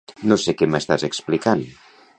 No sé què m'estàs explicant.